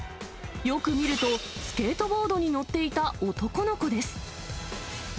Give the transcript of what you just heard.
よく見ると、スケートボードに乗っていた男の子です。